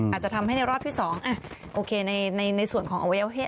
อาจจะทำให้ในรอบที่๒โอเคในส่วนของอวัยวะเพศ